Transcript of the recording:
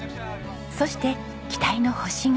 そして期待の星が。